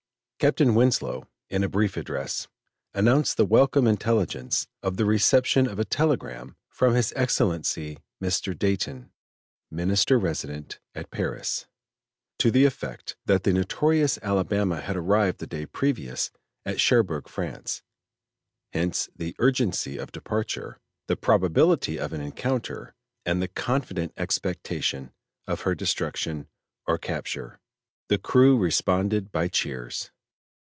Captain Winslow, in a brief address, announced the welcome intelligence of the reception of a telegram from his Excellency, Mr. Dayton, Minister Resident at Paris, to the effect that the notorious Alabama had arrived the day previous at Cherbourg, France; hence, the urgency of departure, the probability of an encounter, and the confident expectation of her destruction or capture. The crew responded by cheers.